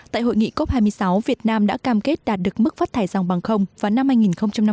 tại hội nghị cop hai mươi sáu việt nam đã cam kết đạt được mức phát thải dòng bằng không vào năm hai nghìn năm mươi